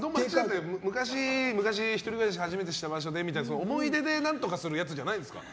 昔１人暮らしを初めてした場所でとか思い出で何とかするやつじゃないんですか。